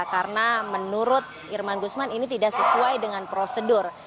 karena menurut irman gusman ini tidak sesuai dengan prosedur